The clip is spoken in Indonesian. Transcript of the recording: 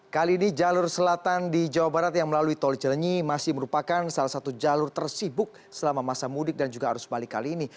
kali ini jalur selatan di jawa barat yang melalui tol cilenyi masih merupakan salah satu jalur tersibuk selama masa mudik dan juga arus balik kali ini